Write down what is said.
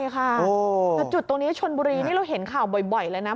แต่จุดตรงนี้ชนบุรีนี่เราเห็นข่าวบ่อยเลยนะ